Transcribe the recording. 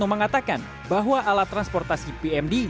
mengatakan bahwa alat transportasi pmd